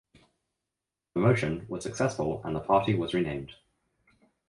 The motion was successful and the party was renamed.